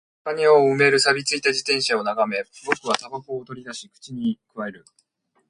中庭を埋める錆び付いた自転車を眺め、僕は煙草を取り出し、口に咥える